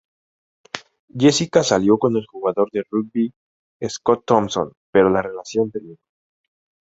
Jessica salió con el jugador de rugby Scott Thompson, pero la relación terminó.